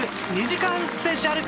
２時間スペシャル！